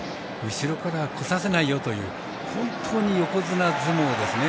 後ろから来させないよという本当に横綱相撲ですね。